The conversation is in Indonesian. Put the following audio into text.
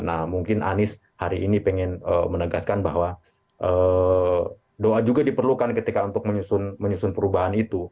nah mungkin anies hari ini pengen menegaskan bahwa doa juga diperlukan ketika untuk menyusun perubahan itu